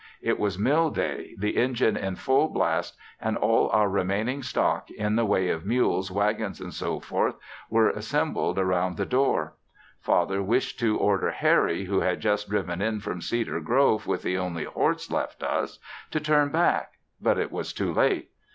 It was mill day, the engine in full blast and all our remaining stock in the way of mules, wagons &c. were assembled around the door. Father wished to order Harry, who had just driven in from Cedar Grove with the only horse left us, to turn back, but it was too late.